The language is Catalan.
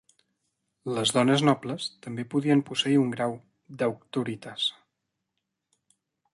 Les dones nobles també podien posseir un grau d'"auctoritas".